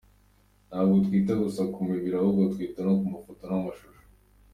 Ntabwo twita gusa ku mibiri ahubwo twita no ku mafoto n’amashusho.